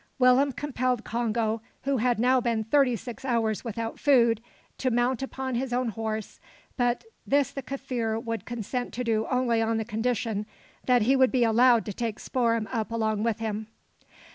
Willem compelled Congo, who had now been thirty six hours without food, to mount upon his own horse; but this the Kaffir would consent to do only on the condition that he would be allowed to take Spoor'em up along with him.